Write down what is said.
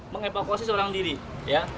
mengevakuasi seorang diri ya